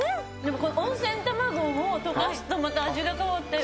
・この温泉卵をとかすとまた味が変わって。